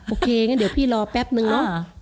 โอเคงั้นเดี๋ยวพี่รอแป๊บนึงเนาะ